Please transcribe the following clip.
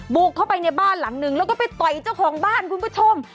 บุกเข้าไปในบ้านหลังนึงแล้วก็ไปต่อยเจ้าของบ้านคุณผู้ชม